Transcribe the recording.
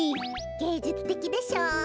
げいじゅつてきでしょう？